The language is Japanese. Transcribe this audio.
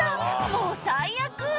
「もう最悪！」